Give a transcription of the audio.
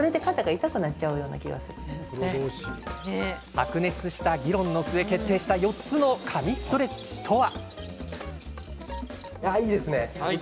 白熱した議論の末、決定した４つの神ストレッチとは？